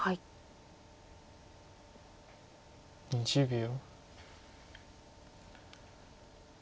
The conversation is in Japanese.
２０秒。